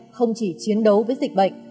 không chỉ chiến đấu với dịch bệnh